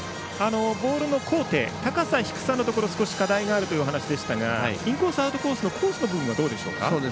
ボールの高低に少し課題があるというお話でしたがインコース、アウトコースのコースの部分はどうでしょうか。